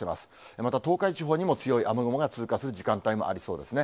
また東海地方にも、強い雨雲が通過する時間帯もありそうですね。